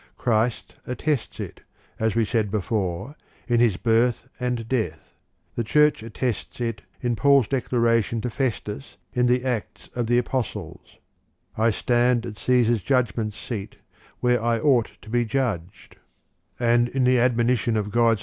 Christ attests it, as we said before, in His birth and death. The Church attests it in Paul's declaration to Festus in the Acls of the apostles :" I stand at Caesar's judgment seat, where I ought to be Judged ;"■ and in the admonition of God's I.